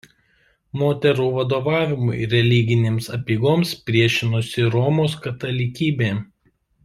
Moterų vadovavimui religinėms apeigoms priešinosi Romos katalikybė.